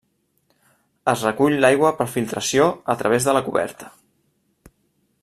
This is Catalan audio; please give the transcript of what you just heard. Es recull l'aigua per filtració a través de la coberta.